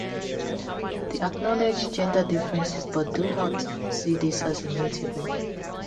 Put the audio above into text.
They acknowledge gender differences but do not see these as immutable.